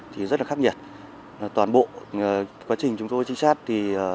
thì rất là khắc nhật